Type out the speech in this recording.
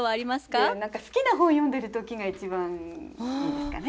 何か好きな本を読んでる時が一番ですかね。